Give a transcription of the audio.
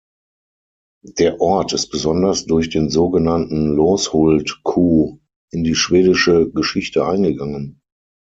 Der Ort ist besonders durch den so genannten „Loshult-Coup“ in die schwedische Geschichte eingegangen.